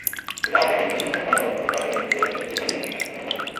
পিতা-মাতাকে উচ্চাসনে উঠানোর অর্থ তাদেরকে নিজের কাছে সিংহাসনে বসান।